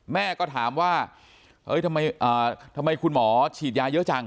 แม่ก็ถามว่าเอ้ยทำไมอ่าทำไมคุณหมอฉีดยาเยอะจัง